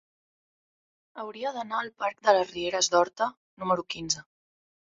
Hauria d'anar al parc de les Rieres d'Horta número quinze.